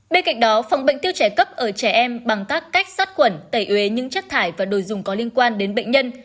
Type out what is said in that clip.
bên cạnh đó phòng bệnh tiêu trẻ cấp ở trẻ em bằng các cách sát khuẩn tẩy uế những chất thải và đồ dùng có liên quan đến bệnh nhân